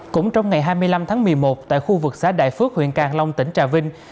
cũng trong ngày hai mươi năm tháng một mươi một tại khu vực xã đại phước huyện càng long tỉnh trà vinh